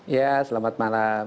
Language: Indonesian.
ya selamat malam